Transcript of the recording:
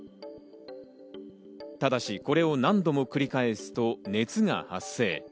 ただしこれを何度も繰り返すと熱が発生。